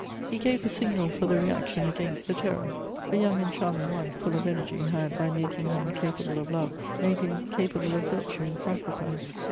He gave the signal for the reaction against the Terror. A young and charming wife, full of energy, had, by making him capable of love, made him capable of virtue and sacrifice.